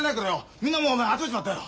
みんなもう集まっちまったよ。